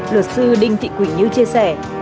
luật sư đinh thị quỳnh như chia sẻ